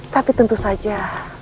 tapi tentu saja